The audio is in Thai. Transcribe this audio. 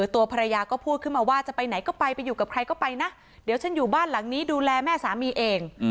ตัวภรรยาก็พูดขึ้นมาว่าจะไปไหนก็ไปไปอยู่กับใครก็ไปนะเดี๋ยวฉันอยู่บ้านหลังนี้ดูแลแม่สามีเอง